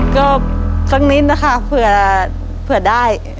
ก็ครั้งนี้นะคะเผื่อได้